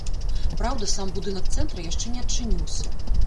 Праўда, сам будынак цэнтра яшчэ не адчыніўся.